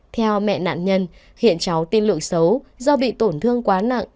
theo mẹ nạn nhân hiện cháu tin lượng xấu do bị tổn thương quá nặng